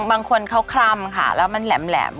บางคนเขาคลำค่ะแล้วมันแหลม